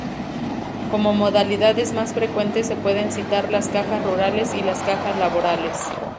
Como modalidades más frecuentes se pueden citar las Cajas Rurales y las Cajas Laborales.